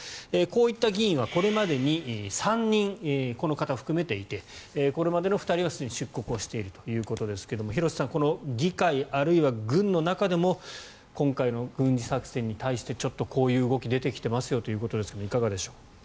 こういった議員はこれまでに３人この方を含めていてこれまでの２人はすでに出国しているということですが廣瀬さん議会、あるいは軍の中でも今回の軍事作戦に対してこういう動きが出てきていますということですがいかがでしょう。